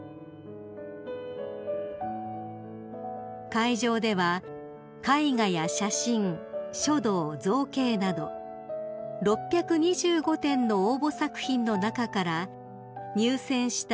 ［会場では絵画や写真書道造形など６２５点の応募作品の中から入選した